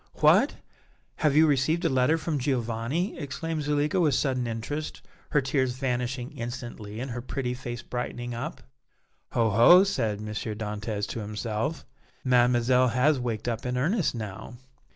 "What! have you received a letter from Giovanni?" exclaimed Zuleika, with sudden interest, her tears vanishing instantly and her pretty face brightening up. "Ho! ho!" said M. Dantès to himself, "Mademoiselle has waked up in earnest now."